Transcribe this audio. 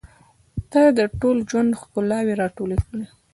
• ته د ټول ژوند ښکلاوې راټولې کړې.